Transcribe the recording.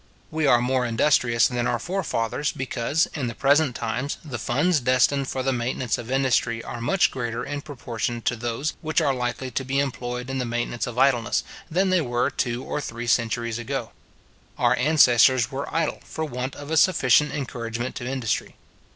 We are more industrious than our forefathers, because, in the present times, the funds destined for the maintenance of industry are much greater in proportion to those which are likely to be employed in the maintenance of idleness, than they were two or three centuries ago. Our ancestors were idle for want of a sufficient encouragement to industry.